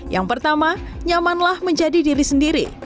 yang pertama nyamanlah menjadi diri sendiri